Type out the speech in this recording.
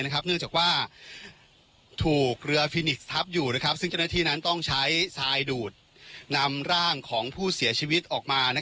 ความร่างของผู้เสียชีวิตออกมา